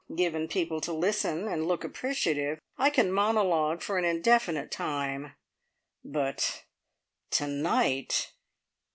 Given people to listen, and look appreciative, I can monologue for an indefinite time. But to night!